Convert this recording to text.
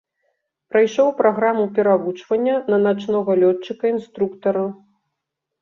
Прайшоў праграму перавучвання на начнога лётчыка-інструктара.